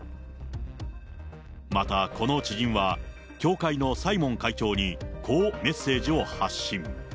また、この知人は、協会のサイモン会長に、こうメッセージを発信。